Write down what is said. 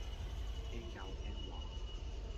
聽教聽話